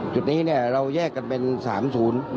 จุดนี้เนี่ยเราแยกกันเป็น๓๐